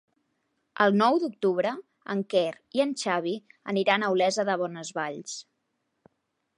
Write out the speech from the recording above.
El nou d'octubre en Quer i en Xavi aniran a Olesa de Bonesvalls.